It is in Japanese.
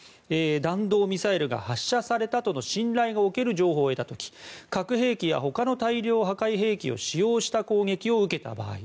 弾道ミサイルが発射されたとの信頼がおける情報を得た時核兵器や他の大量破壊兵器を使用した攻撃を受けた場合。